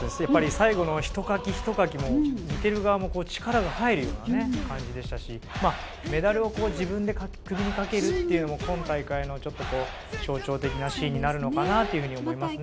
最後のひとかきひとかきも見てる側も力が入るような感じでしたしメダルを自分で首にかけるっていうのも今大会の象徴的なシーンになるのかなと思いますね。